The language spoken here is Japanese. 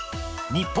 日本。